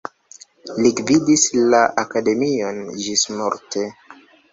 Li gvidis la akademion ĝismorte.